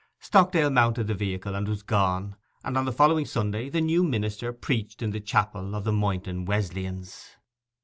Stockdale mounted the vehicle, and was gone; and on the following Sunday the new minister preached in the chapel of the Moynton Wesleyans.